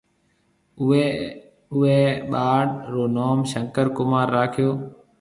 اُوئي اُوئي ٻاݪ رو نوم شنڪر ڪمار راکيو۔